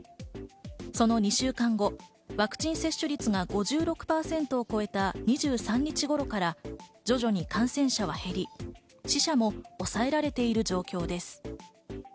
その２週間後、ワクチン接種率が５６％を超えた２３日頃から徐々に感染者は減り、死者も抑えられている状況です。